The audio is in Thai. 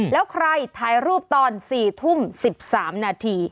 แล้วใครถ่ายรูปตอน๔ทุ่ม๑๓นาที